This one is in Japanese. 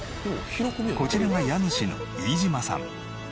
こちらが家主の飯島さん。